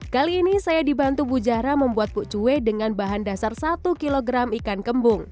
kali ini saya dibantu bujara membuat pucuwe dengan bahan dasar satu kilogram ikan kembung